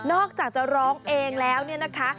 อกจากจะร้องเองแล้วเนี่ยนะคะ